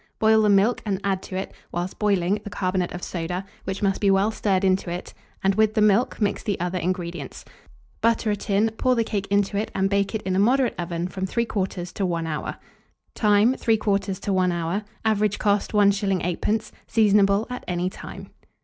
Boil the milk, and add to it, whilst boiling, the carbonate of soda, which must be well stirred into it, and, with the milk, mix the other ingredients. Butter a tin, pour the cake into it, and bake it in a moderate oven from 3/4 to 1 hour. Time. 1 to 14 hour. Average cost, 1s. 8d. Seasonable at any time.